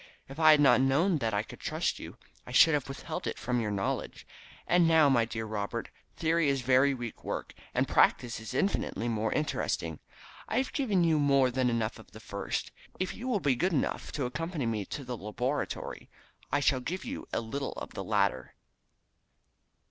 "If I had not known that I could trust you I should have withheld it from your knowledge. And now, my dear Robert, theory is very weak work, and practice is infinitely more interesting. I have given you more than enough of the first. If you will be good enough to accompany me to the laboratory I shall give you a little of the latter."